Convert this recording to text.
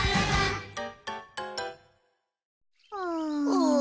うん。